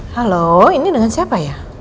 halo ini dengan siapa ya